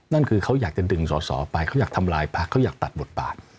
นั่นคือเขาอยากจะดึงสอสอไปเขาอยากทำลายพักเขาอยากตัดบทบาท